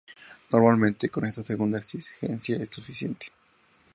Normalmente, con esta segunda exigencia es suficiente.